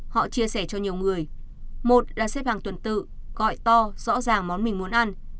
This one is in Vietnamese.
họ chia sẻ cho nhiều người một là xếp hàng tuần tự gọi to rõ ràng món mình muốn ăn